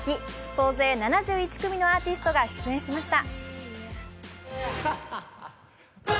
総勢７１組のアーティストが出演しました。